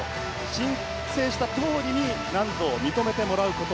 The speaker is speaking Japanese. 申請したとおりに難度を認めてもらうこと。